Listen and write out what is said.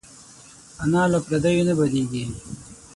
انا له پردیو نه بدېږي